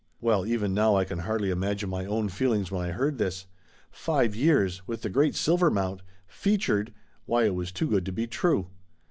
Well, even now I can hardly imagine my own feel ings when I heard this. Five years ! With the great Silvermount! Featured! Why, it was too good to be true!